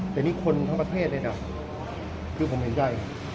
แต่นี่คนทั้งประเทศเลยนะคือผมเห็นใจ